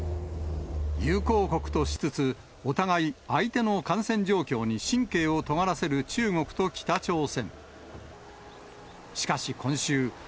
友好国としつつ、お互い、相手の感染状況に神経をとがらせる中国と北朝鮮。